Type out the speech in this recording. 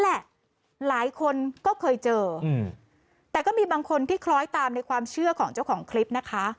หลายคนก็เคยเจออืมแต่ก็มีบางคนที่คล้อยตามในความเชื่อของเจ้าของคลิปนะคะ